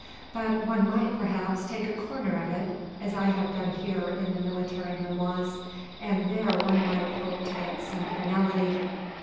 But one might, perhaps, take a corner of it, as I have done here in the military memoirs, and there one might hope to get some finality.